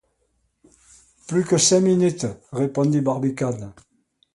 Plus que cinq minutes! répondit Barbicane.